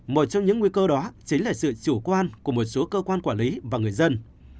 một trong những nguy cơ đó chính là sự chủ quan của một số cơ quan quản lý và người dân